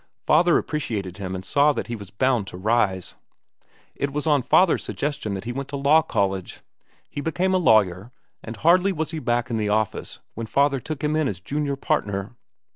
Father appreciated him and saw that he was bound to rise. It was on father's suggestion that he went to law college. He became a lawyer, and hardly was he back in the office when father took him in as junior partner.